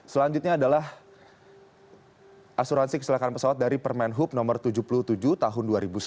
selanjutnya adalah asuransi kecelakaan pesawat dari permainhub nomor tujuh puluh tujuh tahun dua ribu sebelas